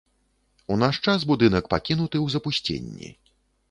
У наш час будынак пакінуты ў запусценні.